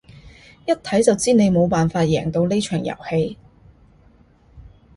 一睇就知你冇辦法贏到呢場遊戲